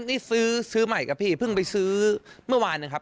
นี่ซื้อซื้อใหม่กับพี่เพิ่งไปซื้อเมื่อวานนะครับ